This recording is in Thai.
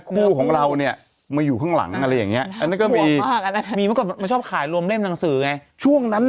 คุณแม่ก็โทรหาเขาเอาเลยพระเอกดวงพระยายเย็นน่ะคุณแม่ก็โทรหาเขาเอาเลยพระเอกดวงพระยายเย็นน่ะ